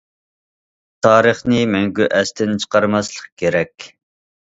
تارىخنى مەڭگۈ ئەستىن چىقارماسلىق كېرەك.